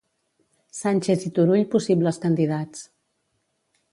Sànchez i Turull, possibles candidats.